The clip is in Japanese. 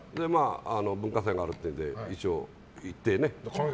文化祭があるっていうので一応聞いてね。